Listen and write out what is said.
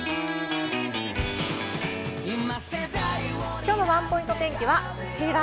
きょうのワンポイント天気はこちら。